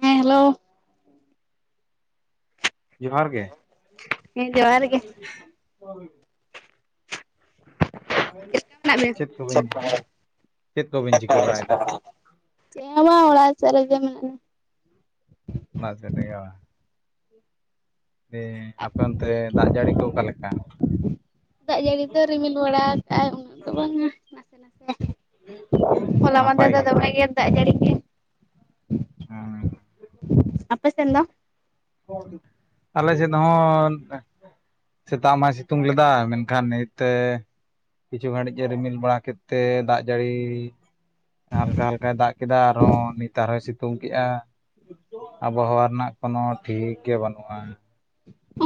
ᱦᱮᱸ ᱦᱮᱞᱳ᱾ ᱡᱚᱦᱟᱨ ᱜᱮ ᱦᱮᱸ ᱡᱚᱦᱟᱨ ᱜᱮ ᱪᱮᱫ ᱠᱚᱵᱤᱱ ᱪᱮᱫ ᱠᱚᱵᱤᱱ ᱪᱤᱠᱟᱹ ᱵᱟᱲᱟᱭᱮᱫᱟ [inaudible] ᱪᱮᱫ ᱦᱚ ᱵᱟᱝ ᱚᱲᱟᱜ ᱥᱮᱜ ᱨᱮᱜᱮ [inaudible] [unintelligible] ᱫᱤᱭᱮ ᱞᱤᱧᱟ᱾ ᱟᱯᱮ ᱚᱱᱛᱮ ᱫᱟᱜ ᱡᱟᱹᱲᱤ ᱠᱚ ᱚᱠᱟᱞᱮᱠᱟ ᱫᱟᱜ ᱡᱟᱹᱲᱤ ᱫᱚ ᱨᱤᱢᱤᱞ ᱵᱟᱲᱟ ᱠᱟᱜᱼᱟᱭ ᱩᱱᱟᱹᱜ ᱫᱚ ᱵᱟᱝ [inaudible] ᱦᱚᱞᱟ ᱢᱟᱫᱷᱮᱨ ᱫᱚ ᱫᱚᱢᱮ ᱜᱮ ᱫᱟᱜ ᱡᱟᱹᱲᱤ ᱠᱮᱜ ᱟᱭ ᱦᱩᱸ, ᱟᱯᱮ ᱥᱮᱱ ᱫᱚ ᱟᱞᱮ ᱥᱮᱫ ᱫᱚ ᱦᱚᱸ [inaudible] ᱥᱮᱛᱟᱜ ᱢᱟᱭ ᱥᱤᱛᱩᱝ ᱞᱮᱫᱟ ᱢᱮᱱᱠᱷᱟᱱ ᱱᱤᱛᱮ ᱠᱤᱪᱷᱩ ᱜᱷᱟᱹᱲᱤᱡ ᱮ ᱨᱤᱢᱤᱞ ᱵᱟᱲᱟ ᱠᱮᱫᱛᱮ ᱫᱟᱜ ᱡᱟᱹᱲᱤ ᱦᱟᱞᱠᱟ ᱦᱟᱞᱠᱟᱭ ᱫᱟᱜ ᱠᱮᱫᱟ ᱟᱨᱦᱚᱸ ᱛᱟᱣᱨᱮ ᱦᱚᱸᱭ ᱥᱤᱛᱩᱝ ᱠᱮᱜᱼᱟ ᱟᱵᱚᱦᱟᱣᱟ ᱨᱮᱱᱟᱜ ᱠᱳᱱᱚ ᱴᱷᱤᱠ ᱜᱮ ᱵᱟᱹᱱᱩᱜᱼᱟ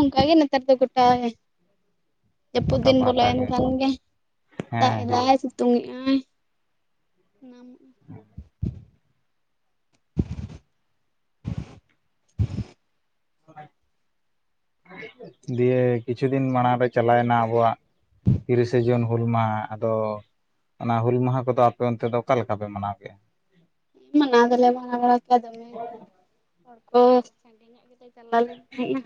ᱚᱱᱠᱟᱜᱮ ᱱᱮᱛᱟᱨ ᱫᱚ ᱜᱚᱴᱟ ᱜᱮ ᱡᱟᱹᱯᱩᱫ ᱜᱚᱴᱟ ᱫᱤᱱ ᱯᱟᱦᱴᱟ ᱵᱚᱞᱚᱭᱮᱱ ᱠᱷᱟᱱ ᱜᱮ ᱫᱟᱜ ᱦᱮᱸ ᱦᱮᱸ ᱮᱫᱟᱭ ᱥᱤ ᱥᱮᱛᱩᱝ ᱮᱜ ᱟᱭ ᱦᱮᱸ ᱫᱤᱭᱮ ᱠᱤᱪᱷᱩ ᱫᱤᱱ ᱢᱟᱲᱟᱝ ᱨᱮ ᱪᱟᱞᱟᱣᱮᱱᱟ ᱟᱵᱚᱣᱟᱜ ᱛᱤᱨᱤᱥᱮ ᱡᱩᱱ ᱦᱩᱞ ᱢᱟᱦᱟ ᱟᱫᱚ ᱚᱱᱟ ᱦᱩᱞ ᱢᱟᱦᱟ ᱠᱚᱫᱚ ᱟᱯᱮ ᱚᱱᱛᱮ ᱫᱚ ᱚᱠᱟ ᱞᱮᱠᱟ ᱯᱮ ᱢᱟᱱᱟᱣ ᱠᱮᱜᱼᱟ ᱢᱟᱱᱟᱣ ᱫᱚᱞᱮ ᱢᱟᱱᱟᱣ ᱵᱟᱲᱟ ᱠᱮᱜᱼᱟ ᱫᱚᱢᱮ ᱦᱚᱲ ᱠᱚ ᱥᱟᱺᱰᱤ ᱧᱚᱜ ᱜᱮᱞᱮ ᱪᱟᱞᱟ ᱞᱮ ᱠᱷᱟᱡᱜᱮ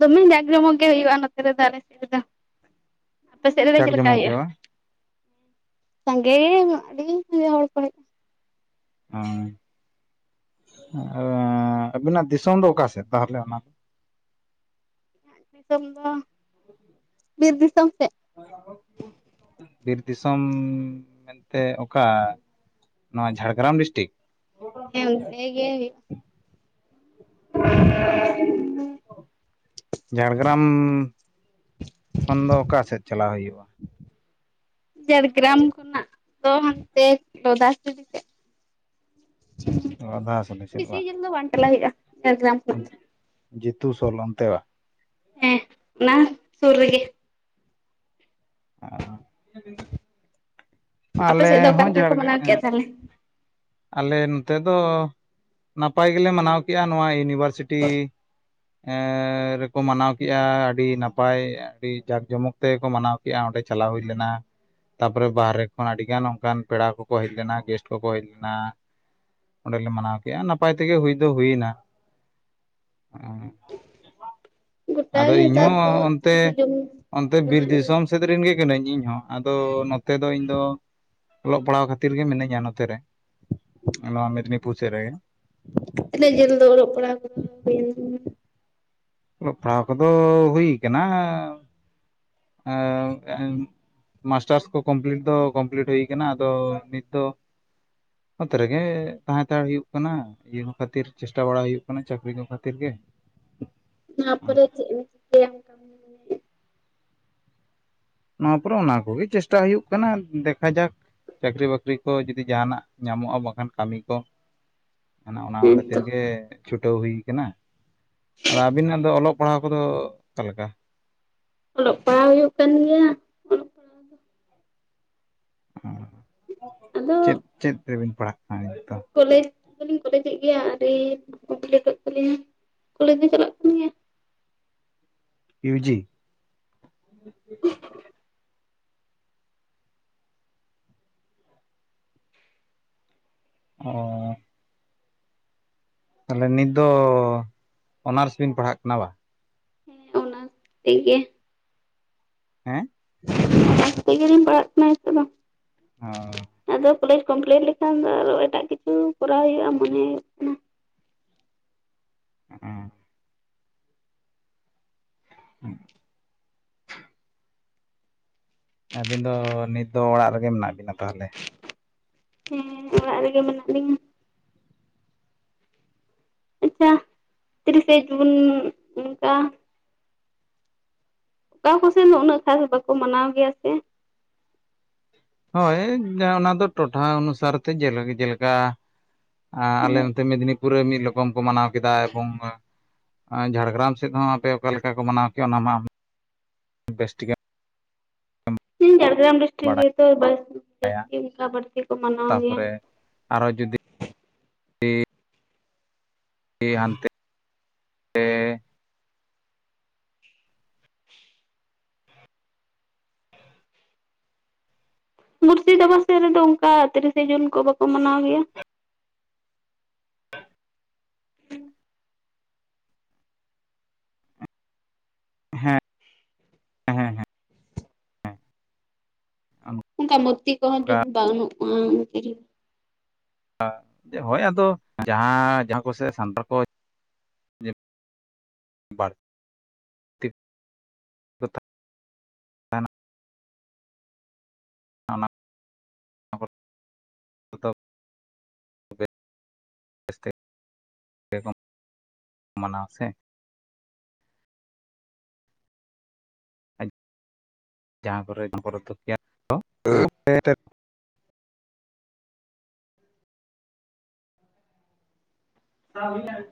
ᱫᱚᱢᱮ ᱡᱟᱠ ᱡᱚᱢᱚᱠ ᱜᱮ ᱦᱩᱭᱩᱜᱼᱟ ᱱᱚᱛᱮ ᱨᱮᱫᱚ ᱟᱞᱮ ᱥᱮᱫ ᱨᱮᱫᱚ ᱟᱯᱮ ᱥᱮᱫ ᱨᱮᱫᱚ ᱡᱟᱠ ᱪᱮᱫ ᱞᱮᱠᱟ ᱡᱚᱢᱚᱠ ᱜᱮ ᱦᱩᱭᱩᱜᱼᱟ ᱵᱟᱝ? ᱥᱟᱸᱜᱮ ᱟᱰᱤ ᱥᱟᱸᱜᱮ ᱦᱚᱲ ᱠᱚ ᱦᱮᱡ ᱟᱸ ᱟᱵᱤᱱᱟᱜ ᱫᱤᱥᱚᱢ ᱫᱚ ᱚᱠᱟ ᱥᱮᱫ ᱛᱟᱦᱞᱮ ᱚᱱᱟ ᱫᱚ ᱟᱠᱟᱱᱟ᱾ ᱫᱤᱥᱚᱢ ᱫᱚ ᱵᱤᱨ ᱫᱤᱥᱚᱢ ᱥᱮᱡ [inaudible] ᱵᱤᱨ ᱫᱤᱥᱚᱢ ᱢᱮᱱᱛᱮ ᱚᱠᱟ ᱱᱚᱣᱟ ᱡᱷᱟᱲᱜᱨᱟᱢ ᱰᱤᱥᱴᱤᱠ ᱦᱮᱸ ᱦᱮ ᱚᱱᱛᱮᱜᱮ ᱦᱩᱭᱩᱜᱼᱟ [unintelligible] ᱡᱷᱟᱲᱜᱨᱟᱢ ᱠᱷᱚᱱ ᱫᱚ ᱚᱠᱟ ᱥᱮᱫ ᱪᱟᱞᱟᱜ ᱦᱩᱭᱩᱜᱼᱟ ᱡᱷᱟᱲᱜᱨᱟᱢ ᱠᱷᱚᱱᱟᱜ ᱫᱚ ᱦᱟᱱᱛᱮ ᱞᱚᱫᱷᱟᱥᱤᱞᱤ ᱥᱮᱫ ᱟᱫᱷᱟᱥᱟᱞᱤ [unintelligible] ᱥᱮᱫ ᱵᱤᱥᱤ ᱡᱷᱟᱹᱞ ᱫᱚ ᱵᱟᱝ ᱪᱟᱞᱟᱜ ᱦᱩᱭᱩᱜᱼᱟ [inaudible] ᱡᱤᱛᱩ ᱥᱚᱞ ᱚᱱᱛᱮ ᱦᱮᱸ ᱚᱱᱟ ᱥᱩᱨ ᱨᱮᱜᱮ [unintelligible] ᱟᱯᱮ ᱟᱞᱮ ᱥᱮᱫ ᱫᱚ ᱚᱠᱟ ᱦᱚᱸ ᱞᱮᱠᱟ ᱠᱚ ᱡᱷᱟᱲᱜ ᱢᱟᱱᱟᱣ ᱠᱮᱫᱼᱟ ᱛᱟᱦᱚᱞᱮ ᱟᱞᱮ ᱱᱚᱛᱮ ᱫᱚ ᱱᱟᱯᱟᱭ ᱜᱮᱞᱮ ᱢᱟᱱᱟᱣ ᱠᱮᱜᱼᱟ ᱱᱚᱣᱟ ᱤᱭᱩᱱᱤᱵᱷᱟᱨᱥᱤᱴᱤ ᱮᱸ ᱨᱮᱠᱚ ᱢᱟᱱᱟᱣ ᱠᱮᱜᱼᱟ ᱟᱹᱰᱤ ᱱᱟᱯᱟᱭ ᱟᱹᱰᱤ ᱡᱟᱠ ᱡᱚᱢᱚᱠ ᱛᱮᱠᱚ ᱢᱟᱱᱟᱣ ᱠᱮᱜᱼᱟ ᱚᱸᱰᱮ ᱪᱟᱞᱟᱣ ᱦᱩᱭ ᱞᱮᱱᱟ ᱛᱟᱯᱚᱨᱮ ᱵᱟᱦᱨᱮ ᱠᱷᱚᱱ ᱟᱹᱰᱤ ᱜᱟᱱ ᱚᱱᱠᱟᱱ ᱯᱮᱲᱟ ᱠᱚᱠᱚ ᱦᱮᱡ ᱞᱮᱱᱟ ᱜᱮᱥᱴ ᱠᱚᱠᱚ ᱦᱮᱡ ᱞᱮᱱᱟ ᱚᱸᱰᱮᱞᱮ ᱢᱟᱱᱟᱣ ᱠᱮᱫᱼᱟ ᱱᱟᱯᱟᱭ ᱛᱮᱜᱮ ᱦᱩᱭ ᱫᱚ ᱦᱩᱭᱱᱟ [inaudible] ᱜᱚᱴᱟ ᱟᱫᱚ ᱜᱮ ᱱᱮᱛᱟᱨ ᱤᱧᱦᱚᱸ ᱫᱚ ᱚᱱᱛᱮ ᱛᱤᱨᱤᱥᱮ ᱡᱩᱱ ᱚᱱᱛᱮ ᱵᱤᱨ ᱫᱤᱥᱚᱢ ᱥᱮᱫ ᱨᱮᱱ ᱜᱮ ᱠᱟᱹᱱᱟᱹᱧ ᱤᱧ ᱦᱚᱸ ᱟᱫᱚ ᱱᱚᱛᱮ ᱫᱚ ᱤᱧ ᱫᱚ ᱚᱞᱚᱜ ᱯᱟᱲᱦᱟᱣ ᱠᱷᱟᱹᱛᱤᱨ ᱜᱮ ᱢᱤᱱᱟᱹᱧᱟ ᱱᱚᱛᱮ ᱨᱮ ᱚᱱᱟ ᱢᱤᱫᱽᱱᱤᱯᱩᱨ ᱥᱮᱫ ᱨᱮ ᱛᱤᱱᱟᱹᱜ ᱡᱷᱟᱹᱞ ᱫᱚ ᱚᱞᱚᱜ ᱯᱟᱲᱦᱟᱣ ᱠᱚ ᱦᱩᱭᱮᱱ [unintelligible] ᱚᱞᱚᱜ ᱯᱟᱲᱦᱟᱣ ᱠᱚᱫᱚ ᱦᱩᱭ ᱠᱟᱱᱟ ᱮᱸ ᱢᱟᱥᱴᱟᱨᱥ ᱠᱚ ᱠᱚᱢᱯᱤᱞᱤᱴ ᱫᱚ ᱠᱚᱢᱯᱤᱞᱤᱴ ᱦᱩᱭ ᱟᱠᱟᱱᱟ ᱟᱫᱚ ᱱᱤᱛ ᱫᱚ ᱱᱚᱛᱮ ᱨᱮᱜᱮ ᱛᱟᱦᱮᱸᱛᱟᱲ ᱦᱩᱭᱩᱜ ᱠᱟᱱᱟ ᱾ ᱤᱭᱟᱹ ᱠᱚ ᱠᱷᱟᱹᱛᱤᱨ ᱪᱮᱥᱴᱟ ᱵᱟᱲᱟ ᱦᱩᱭᱩᱜ ᱠᱟᱱᱟ ᱪᱟᱹᱠᱨᱤ ᱠᱚ ᱠᱷᱟᱹᱛᱤᱨ ᱜᱮ ᱚᱱᱟᱯᱚᱨᱮ [unintelligible] ᱱᱚᱣᱟ ᱯᱚᱨᱮ ᱚᱱᱟ ᱠᱚᱜᱮ ᱪᱮᱥᱴᱟ ᱦᱩᱭᱩᱜ ᱠᱟᱱᱟ ᱫᱮᱠᱷᱟ ᱡᱟᱠ ᱪᱟᱹᱠᱨᱤ ᱵᱟᱹᱠᱨᱤ ᱠᱚ ᱡᱩᱫᱤ ᱡᱟᱦᱟᱱᱟᱜ ᱧᱟᱢᱚᱜᱼᱟ ᱵᱟᱝᱠᱷᱟᱱ ᱠᱟᱹᱢᱤ ᱠᱚ ᱚᱱᱟ ᱠᱷᱟᱹᱛᱤᱨ ᱦᱮᱸᱛᱚ ᱜᱮ ᱪᱷᱩᱴᱟᱹᱣ ᱦᱩᱭ ᱟᱠᱟᱱᱟ ᱟᱫᱚ ᱟᱹᱵᱤᱱᱟᱜ ᱫᱚ ᱚᱞᱚᱜ ᱯᱟᱲᱦᱟᱣ ᱠᱚᱫᱚ ᱚᱠᱟᱞᱮᱠᱟ ᱚᱞᱚᱜ ᱯᱟᱲᱦᱟᱣ ᱦᱩᱭᱩᱜ ᱠᱟᱱ ᱜᱮᱭᱟ ᱾ ᱟᱫᱚ ᱪᱮᱫ ᱪᱮᱫ ᱨᱮᱵᱤᱱ ᱯᱟᱲᱦᱟᱜ ᱠᱟᱱᱟ ᱱᱤᱛ ᱫᱚ? ᱠᱚᱞᱮᱡᱽ ᱫᱚᱞᱤᱧ ᱠᱚᱞᱮᱡᱮᱫ ᱜᱮᱭᱟ ᱟᱨ ᱠᱚᱢᱯᱴ ᱛᱟᱞᱞᱤᱧᱟ ᱠᱚᱞᱡᱽ [unintelligible] ᱫᱚ ᱪᱟᱞᱟᱜ ᱠᱟᱱ ᱜᱮᱭᱟ [unintelligible] ᱤᱭᱩ ᱡᱤ ᱚᱸᱼᱼᱼ ᱛᱟᱦᱚᱞᱮ ᱱᱤᱛ ᱫᱚ ᱚᱱᱟᱨᱥ ᱵᱮᱱ ᱯᱟᱲᱦᱟᱜ ᱠᱟᱱᱟ ᱵᱟ? ᱦᱮᱸ ᱚᱱᱟᱨᱥ ᱛᱮᱜᱮ ᱾ ᱦᱮᱸ ᱻ᱾ ᱡᱥᱛᱮ [unintelligible] ᱜᱮᱤᱨᱤᱧ ᱯᱟᱲᱟᱜ ᱠᱟᱱᱟ ᱛ ᱫᱚ ᱚ ᱟᱫᱚ [unintelligible] ᱠᱚᱞᱮᱡᱽ ᱠᱚᱢᱯᱞᱤᱴ ᱞᱮᱠᱷᱟᱱ ᱫᱚ ᱟᱨᱚ ᱮᱴᱟᱜ ᱠᱤᱪᱷᱩ ᱠᱚᱨᱟᱣ ᱦᱩᱭᱩᱜᱼᱟ ᱢᱚᱱᱮ ᱦᱩᱭᱩᱜ ᱠᱟᱱᱟ ᱾ ᱟᱨ [unintelligible] ᱦᱮᱸ [unintelligible] ᱟᱹᱵᱤᱱ ᱫᱚ ᱱᱤᱛ ᱫᱚ ᱚᱲᱟᱜ ᱨᱮᱜᱮ ᱢᱮᱱᱟᱜ ᱵᱤᱱᱟ ᱛᱟᱦᱚᱞᱮ ᱦᱮᱸ ᱚᱲᱟᱜ ᱨᱮᱜᱮ ᱢᱮᱱᱟᱜ ᱞᱤᱧᱟ ᱟᱪᱷᱟ ᱛᱤᱨᱤᱥᱮ ᱡᱩᱱ ᱚᱱᱠᱟ ᱾ ᱚᱠᱟ ᱠᱚᱥᱮᱱ ᱫᱚ ᱩᱱᱟᱹᱜ ᱠᱷᱟᱥ ᱵᱟᱠᱚ ᱢᱟᱱᱟᱣ ᱜᱮᱭᱟ ᱥᱮ ᱦᱳᱭ ᱚᱱᱟ ᱫᱚ ᱴᱚᱴᱷᱟ ᱚᱱᱩᱥᱟᱨ ᱛᱮ ᱡᱮᱞᱮᱠᱟ ᱡᱮᱞᱮᱠᱟ ᱟᱞᱮ ᱚᱱᱛᱮ ᱢᱮᱫᱽᱱᱤᱯᱩᱨ ᱨᱮ ᱢᱤᱫ ᱨᱚᱠᱚᱢ ᱠᱚ ᱢᱟᱱᱟᱣ ᱠᱮᱫᱟ ᱮᱵᱚᱝ ᱡᱷᱟᱲᱜᱨᱟᱢ ᱥᱮᱫ ᱦᱚᱸ ᱟᱯᱮ ᱚᱠᱟ ᱞᱮᱠᱟ ᱠᱚ ᱢᱟᱱᱟᱣ ᱠᱮᱫᱼᱟ ᱚᱱᱟ ᱢᱟ ᱵᱮᱥ ᱴᱷᱤᱠ ᱤᱧ ᱡᱲᱜᱨᱟᱢ ᱰᱤᱥᱴᱤᱠ [unintelligible] ᱛᱟᱯᱚᱨᱮ ᱟᱨᱚ ᱡᱩᱫᱤ ᱾ ᱦᱟᱱᱛᱮ ᱥᱮ ᱢᱩᱨᱥᱤᱫᱟᱵᱟᱫ ᱥᱮᱫ ᱨᱮᱫᱚ ᱚᱱᱠᱟ ᱛᱤᱨᱤᱥᱮ ᱡᱩᱱ ᱠᱚ ᱵᱟᱠᱚ ᱢᱟᱱᱟᱣ ᱜᱮᱭᱟ ᱾ ᱦᱮᱸ ᱦᱮᱸ ᱦᱮᱸ ᱚᱱᱠᱟ ᱢᱩᱨᱛᱤ ᱠᱚᱦᱚᱸ ᱡᱩᱫᱤ ᱵᱟᱹᱱᱩᱜᱼᱟ ᱾ ᱦᱳᱭ ᱟᱫᱚ ᱡᱟᱦᱟᱸ ᱡᱟᱦᱟᱸ ᱠᱚᱥᱮ ᱥᱟᱱᱛᱟᱲ ᱠᱚ ᱵᱟᱨ [unintelligible] ᱚᱱᱟ ᱚᱱᱟ ᱠᱚ ᱫᱚ [unintelligible] ᱚᱠᱫᱚᱢ ᱢᱟᱱᱟᱣᱟ ᱥᱮ ᱡᱟᱦᱟᱸ ᱠᱚᱨᱮ ᱡᱟᱦᱟᱸ ᱫᱚᱠᱚ [unintelligible] ᱠᱚᱨᱟᱣ ᱦᱩᱭᱱᱟ ᱾